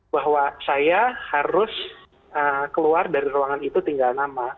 bahwa saya harus keluar dari ruangan itu tinggal nama